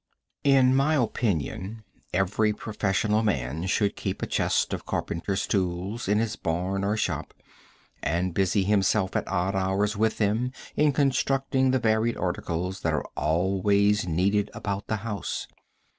In my opinion every professional man should keep a chest of carpenters' tools in his barn or shop, and busy himself at odd hours with them in constructing the varied articles that are always needed about the house.